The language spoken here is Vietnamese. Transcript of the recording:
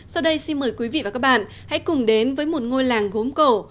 sau đây xin mời quý vị và các bạn hãy cùng đến với một ngôi làng gốm cổ